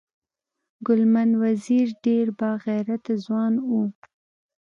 ګلمن وزیر ډیر با غیرته ځوان و